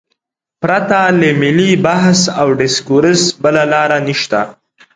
پرته له ملي بحث او ډیسکورس بله لار نشته.